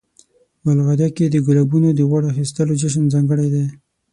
بلغاریا کې د ګلابونو د غوړ اخیستلو جشن ځانګړی دی.